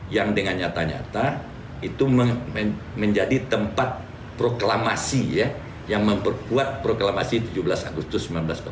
yang dengan nyata nyata itu menjadi tempat proklamasi yang memperkuat proklamasi tujuh belas agustus seribu sembilan ratus empat puluh lima